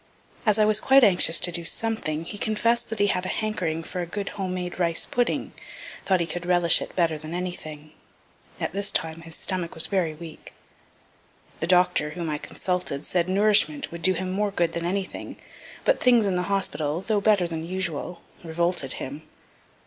As I was quite anxious to do something, he confess'd that he had a hankering for a good home made rice pudding thought he could relish it better than anything. At this time his stomach was very weak. (The doctor, whom I consulted, said nourishment would do him more good than anything; but things in the hospital, though better than usual, revolted him.)